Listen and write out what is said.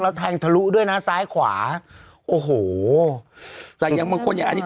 แล้วแทงทะลุด้วยนะซ้ายขวาโอ้โหแต่อย่างบางคนอย่างอันนี้